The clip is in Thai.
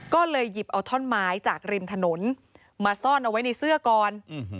ก็เลยหยิบเอาท่อนไม้จากริมถนนมาซ่อนเอาไว้ในเสื้อก่อน